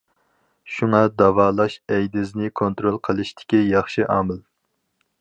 شۇڭا داۋالاش ئەيدىزنى كونترول قىلىشتىكى ياخشى ئامال.